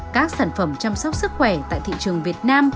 các sản phẩm chăm sóc sức khỏe tại thị trường việt nam